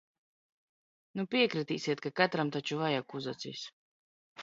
Nu piekritīsiet, ka katram taču vajag uzacis?